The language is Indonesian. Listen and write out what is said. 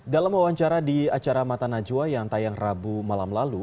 dalam wawancara di acara mata najwa yang tayang rabu malam lalu